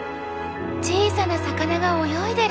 小さな魚が泳いでる！